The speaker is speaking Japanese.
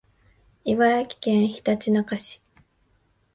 茨城県ひたちなか市